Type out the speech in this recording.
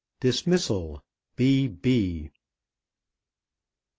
"DISMISSAL. B.